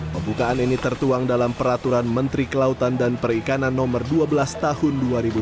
pembukaan ini tertuang dalam peraturan menteri kelautan dan perikanan no dua belas tahun dua ribu dua puluh